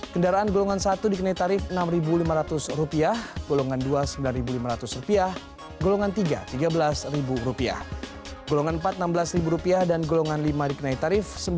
kendaraan golongan satu dikenai tarif rp enam lima ratus golongan dua rp sembilan lima ratus golongan tiga rp tiga belas golongan empat rp enam belas dan golongan lima dikenai tarif rp sembilan belas lima ratus